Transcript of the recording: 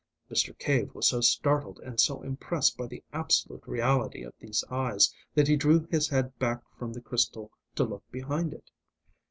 Mr. Cave was so startled and so impressed by the absolute reality of these eyes, that he drew his head back from the crystal to look behind it.